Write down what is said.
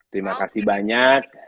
terima kasih banyak